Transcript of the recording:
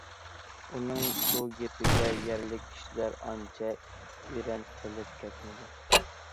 ئۇنىڭ بۇ گېپىگە يەرلىك كىشىلەر ئانچە ئېرەن قىلىپ كەتمىدى.